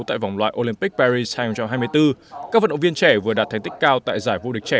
tại vòng loại olympic paris hai nghìn hai mươi bốn các vận động viên trẻ vừa đạt thành tích cao tại giải vô địch trẻ